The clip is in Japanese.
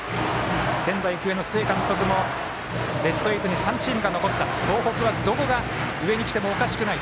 仙台育英の須江監督もベスト８に３チームが残った東北はどこが上にきてもおかしくない。